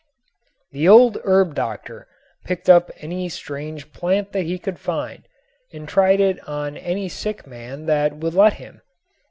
The old herb doctor picked up any strange plant that he could find and tried it on any sick man that would let him.